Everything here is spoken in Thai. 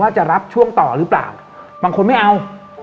จะรับช่วงต่อหรือเปล่าบางคนไม่เอา